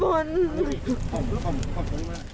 ขอบคุณครับ